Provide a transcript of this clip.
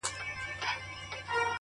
• په خبرو سره لمبه وه لکه اور وه ,